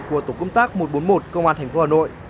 của tổ công tác một trăm bốn mươi một công an thành phố hà nội